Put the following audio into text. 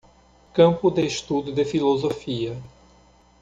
Campo de estudo de filosofia.